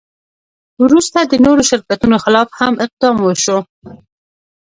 وروسته د نورو شرکتونو خلاف هم اقدام وشو.